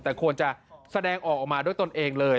แต่ควรจะแสดงออกมาด้วยตนเองเลย